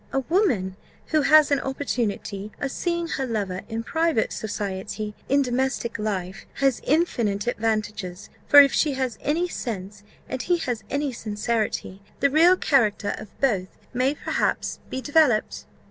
A woman who has an opportunity of seeing her lover in private society, in domestic life, has infinite advantages; for if she has any sense, and he has any sincerity, the real character of both may perhaps be developed."